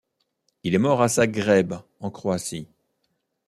Il est mort à Zagreb en croatie.